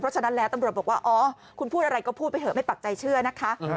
ฉะนั้นแล้วตำรวจบอกว่าอ๋อคุณพูดอะไรก็พูดไปเถอะไม่ปักใจเชื่อนะคะ